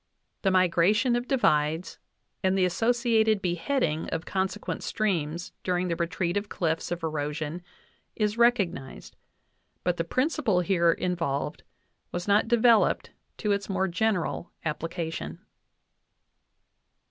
The migration of divides and the associated beheading of consequent streams during the retreat of cliffs of erosion is recognized (Ibid., 210), but the principle here involved was not developed to its more general application.